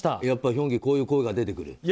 やっぱりこういう声が出てくる？